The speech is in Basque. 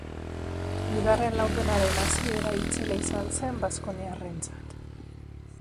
Bigarren laurdenaren hasiera itzela izan zen baskoniarrentzat.